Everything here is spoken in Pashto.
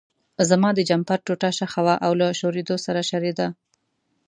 زما د جمپر ټوټه شخه وه او له شورېدو سره شریده.